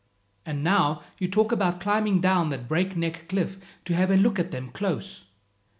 And now you talk about climbing down that break neck cliff to have a look at them close!"